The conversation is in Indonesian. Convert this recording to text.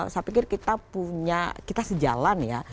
saya pikir kita punya kita sejalan ya